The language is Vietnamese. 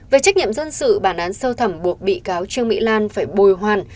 về trách nhiệm dân sự bản án sơ thẩm buộc bị cáo trương mỹ lan phải bồi hoàn